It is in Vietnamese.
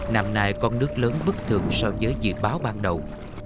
năm nay con nước lớn bất thường so với dự báo ban đầu